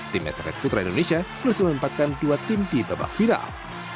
tim estafet putra indonesia berhasil menempatkan dua tim di babak final